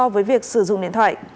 về việc sử dụng điện thoại